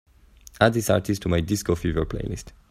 add this artist to my disco fever playlist